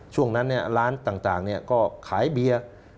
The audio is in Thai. ช่วงนั้นเนี่ยร้านต่างเนี่ยก็ขายเบียร์